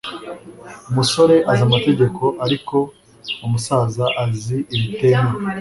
umusore azi amategeko, ariko umusaza azi ibitemewe